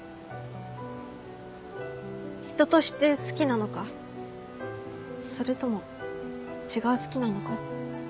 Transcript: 人として「好き」なのかそれとも違う「好き」なのか